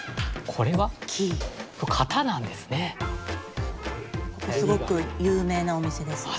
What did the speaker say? ここすごく有名なお店ですね。